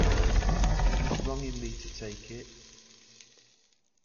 It was wrong in me to take it?